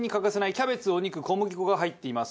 キャベツお肉小麦粉が入っています。